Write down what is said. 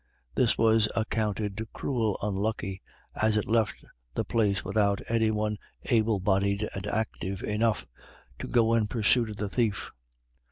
This was accounted cruel unlucky, as it left the place without any one able bodied and active enough to go in pursuit of the thief.